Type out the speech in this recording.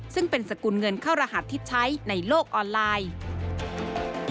ซึ่งเป็นสกุลเงินเข้ารหัสที่ใช้ในโลกออนไลน์